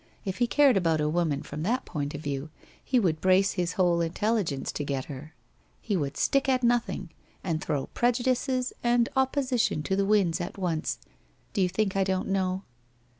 If he cared about a woman from that point of view he would brace his whole intelligence to get her, he would stick at nothing, and throw prejudices and opposition to the winds at once. Do you think I don't know?